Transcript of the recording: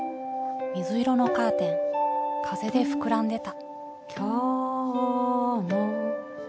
水色のカーテン風で膨らんでた。